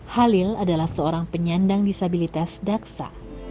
halil adalah seorang penyandang disabilitas daksa